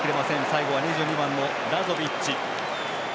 最後は２２番のラゾビッチ。